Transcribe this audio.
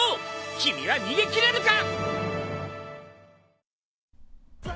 君は逃げ切れるか！？